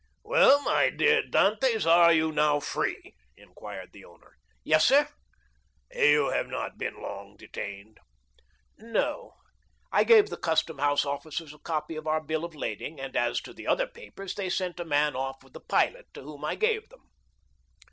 "Well, my dear Dantès, are you now free?" inquired the owner. "Yes, sir." "You have not been long detained." "No. I gave the custom house officers a copy of our bill of lading; and as to the other papers, they sent a man off with the pilot, to whom I gave them."